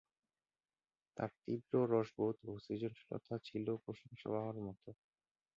তার তীব্র রসবোধ ও সৃজনশীলতা ছিল প্রশংসা পাওয়ার মতো।